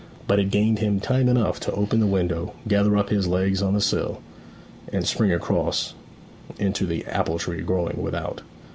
But it gained him time enough to open the window, gather up his legs upon the sill, and spring across into the apple tree growing without.